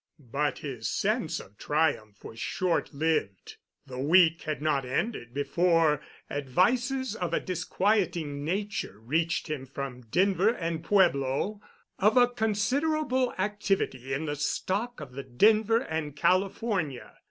But his sense of triumph was short lived. The week had not ended before advices of a disquieting nature reached him from Denver and Pueblo of a considerable activity in the stock of the Denver and California.